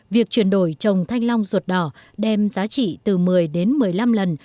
việc chuyển đổi trồng thanh long ruột đỏ đem giá trị từ một mươi đến một mươi năm lần